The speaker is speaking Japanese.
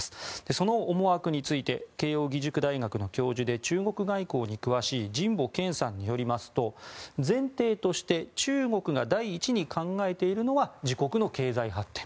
その思惑について慶應義塾大学の教授で中国外交に詳しい神保謙さんによりますと前提として中国が第一に考えているのは自国の経済発展。